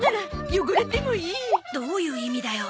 どういう意味だよ。